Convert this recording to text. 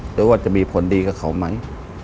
หรือว่าจะมีผลดีกับเขาไหม